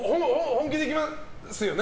本気で行きますよね？